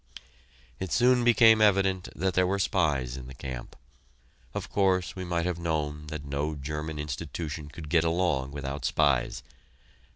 It soon became evident that there were spies in the camp. Of course, we might have known that no German institution could get along without spies.